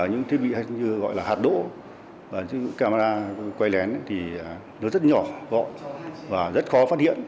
những thiết bị hay như gọi là hạt đỗ camera quay lén thì nó rất nhỏ gọn và rất khó phát hiện